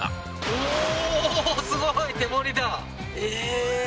おおーすごい手掘りだええー